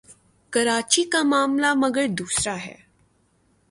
کراچی کا معاملہ مگر دوسرا ہے۔